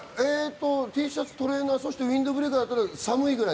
Ｔシャツ、トレーナー、ウインドブレーカーで寒いぐらい？